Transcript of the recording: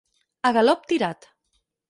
A galop tirat.